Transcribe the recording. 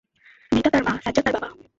মেয়েটা তার মা, সাজ্জাদ তার বাবা।